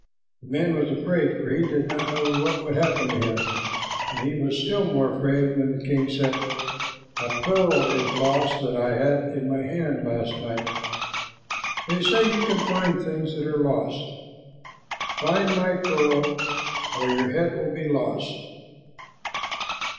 The man was afraid, for he did not know what would happen to him, and he was still more afraid when the king said, "A pearl is lost that I had in my hand last night. They say you can find things that are lost. Find my pearl, or your head will he lost."